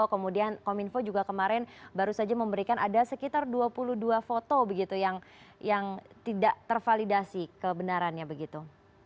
kemudian kominfo juga kemarin baru saja memberikan ada sekitar dua puluh dua foto begitu yang tidak tervalidasi kebenarannya begitu